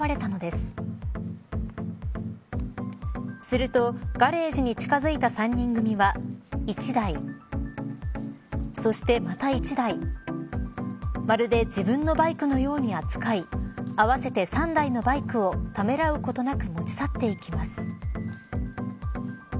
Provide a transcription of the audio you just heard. するとガレージに近づいた３人組は１台、そしてまた１台まるで自分のバイクのように扱い合わせて３台のバイクをためらうことなく持ち去っていきます。